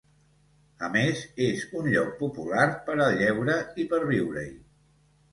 A més, és un lloc popular per al lleure i per viure-hi.